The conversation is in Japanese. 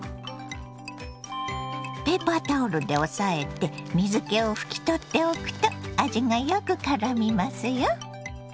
ペーパータオルで押さえて水けを拭き取っておくと味がよくからみますよ。